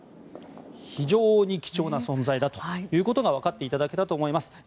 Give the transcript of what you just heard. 非常に貴重な存在だということがわかっていただけたと思います。